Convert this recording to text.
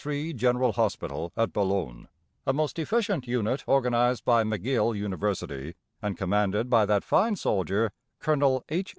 3 General Hospital at Boulogne, a most efficient unit organized by McGill University and commanded by that fine soldier Colonel H.